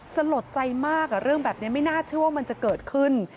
สลดใจมากเรื่องแบบนี้ไม่น่าเชื่อว่ามันจะเกิดขึ้น